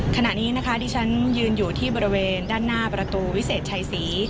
ขณะนี้นะคะที่ฉันยืนอยู่ที่บริเวณด้านหน้าประตูวิเศษชัยศรี